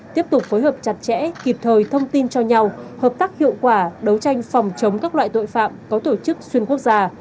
tiếp tục phối hợp chặt chẽ kịp thời thông tin cho nhau hợp tác hiệu quả đấu tranh phòng chống các loại tội phạm có tổ chức xuyên quốc gia